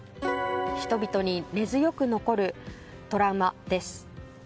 人々に根強く残るトラウマです。